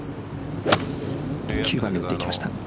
９番で打っていきました。